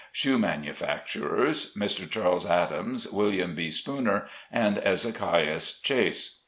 shoe manufacturers, Mr. Chas. Adams, William B. Spooner, and Ezekias Chase.